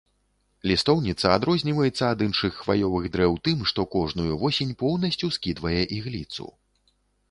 Лістоўніца адрозніваецца ад іншых хваёвых дрэў тым, што кожную восень поўнасцю скідвае ігліцу.